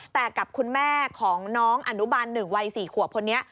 แต่กับคุณแม่ของน้องอนุบัน๑วัย๔ขวบคนนี้